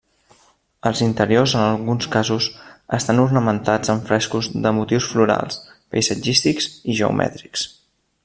Els interiors en alguns casos, estan ornamentats amb frescos de motius florals, paisatgístics i geomètrics.